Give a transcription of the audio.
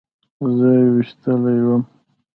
زه يې ويشتلى وم.